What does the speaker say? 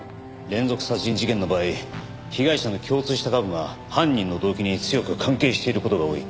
連続殺人事件の場合被害者の共通した過去が犯人の動機に強く関係している事が多い。